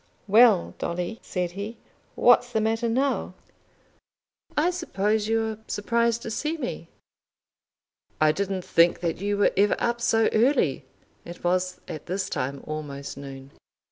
"Well, Dolly," said he, "what's the matter now?" "I suppose you are surprised to see me?" "I didn't think that you were ever up so early." It was at this time almost noon.